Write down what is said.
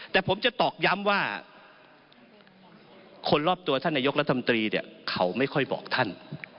แต่ผมจะตอกย้ำว่าคนรอบตัวท่านนายกรัฐมนตรีเนี่ยเขาไม่ค่อยบอกท่าน